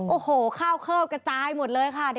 โอ้โหข้าวเข้ากระจายหมดเลยค่ะ